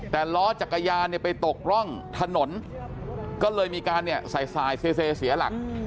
แต่ล้อจักรยานไปตกร่องถนนก็เลยมีการใส่สายเสียหลัก